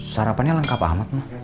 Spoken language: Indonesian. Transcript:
sarapannya lengkap amat ma